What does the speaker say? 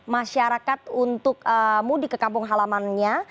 masyarakat untuk mudik ke kampung halamannya